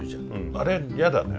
あれやだね。